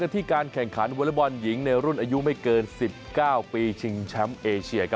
ที่การแข่งขันวอเล็กบอลหญิงในรุ่นอายุไม่เกิน๑๙ปีชิงแชมป์เอเชีย